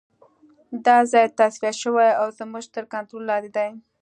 دا ځای تصفیه شوی او زموږ تر کنترول لاندې دی